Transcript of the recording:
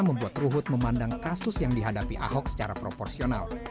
membuat ruhut memandang kasus yang dihadapi ahok secara proporsional